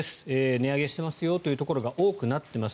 値上げしてますよというところが多くなっています。